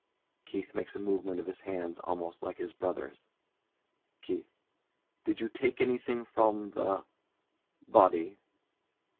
[KEITH makes a movement of his hands almost like his brother's.] KEITH. Did you take anything from the body?